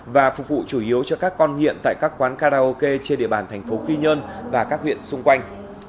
và phục vụ chủ yếu cho các con nghiện tại các quán karaoke trên địa bàn thành phố quy nhơn và các huyện xung quanh